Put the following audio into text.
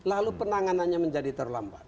lalu penanganannya menjadi terlambat